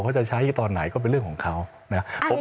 เขาจะใช้ตอนไหนก็เป็นเรื่องของเขานะครับ